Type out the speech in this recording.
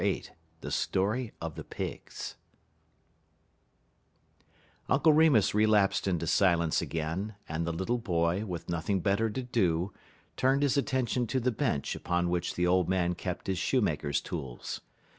VIII THE STORY OF THE PIGS Uncle Remus relapsed into silence again, and the little boy, with nothing better to do, turned his attention to the bench upon which the old man kept his shoemaker's tools.